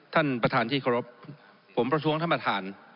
ท่านประธานที่เคารพผมประท้วงท่านประธาน